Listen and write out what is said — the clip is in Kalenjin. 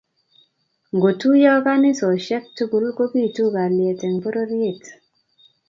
ngo tuyo kanisosheck tugul ko pitu kalyet eng pororiet